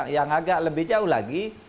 yang agak lebih jauh lagi